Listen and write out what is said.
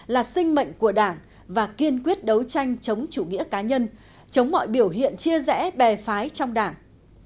là sinh mệnh của đảng và kiên quyết đấu tranh chống chủ nghĩa cá nhân chống mọi biểu hiện chia rẽ bè phái trong đảng